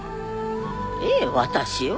ええ私よ。